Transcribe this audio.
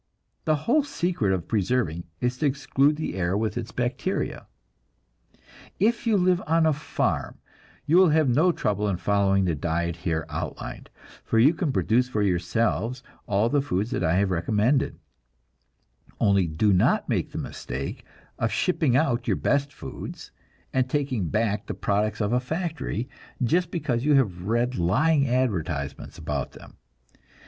The whole secret of preserving is to exclude the air with its bacteria. If you live on a farm, you will have no trouble in following the diet here outlined, for you can produce for yourselves all the foods that I have recommended; only do not make the mistake of shipping out your best foods, and taking back the products of a factory, just because you have read lying advertisements about them.